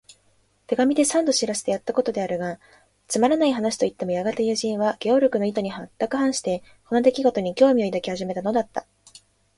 手紙で三度知らせてやったことであるが、つまらない話といってもやがて友人は、ゲオルクの意図にはまったく反して、この出来ごとに興味を抱き始めたのだった。